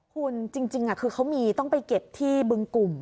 คุณจริงคือเขามีต้องไปเก็บที่บึงกลุ่ม